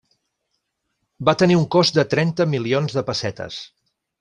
Va tenir un cost de trenta milions de pessetes.